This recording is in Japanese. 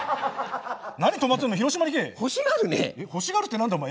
何止まってんの？